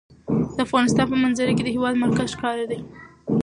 د افغانستان په منظره کې د هېواد مرکز ښکاره ده.